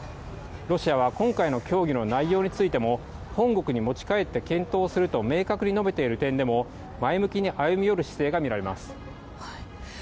ロシアは今回の協議の内容についても本国に持ち帰って検討すると明確に述べている点でも前向きに歩み寄る姿勢が見られます。